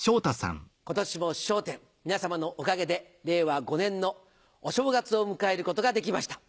今年も『笑点』皆様のおかげで令和５年のお正月を迎えることができました。